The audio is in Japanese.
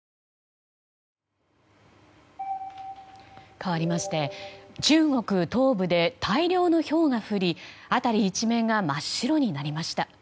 かわりまして中国東部で大量のひょうが降り辺り一面が真っ白になりました。